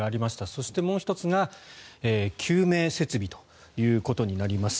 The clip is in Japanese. そして、もう１つが救命設備ということになります。